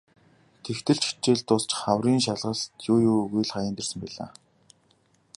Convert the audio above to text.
Тэгтэл ч хичээл дуусаж хаврын шалгалт юу юугүй хаяанд ирсэн байлаа.